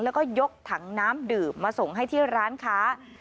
แล้วก็ยกถังน้ำดื่มมาส่งให้ที่ร้านค้า